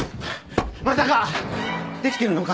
まさかデキてるのか！？